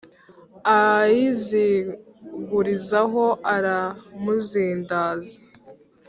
Ayizingurizaho iramuzindaza